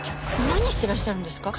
何してらっしゃるんですか？